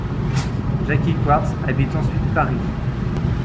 Jakie Quartz habite ensuite Paris.